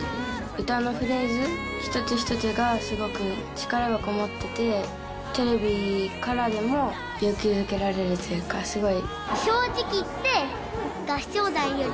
歌のフレーズ一つ一つがすごく力がこもってて、テレビからでも勇気づけられるというか、すごい。